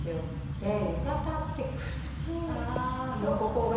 で浴衣って苦しいのここが。